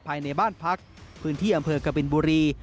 ภายในบ้านพักพื้นที่อำเภอกบินบุรี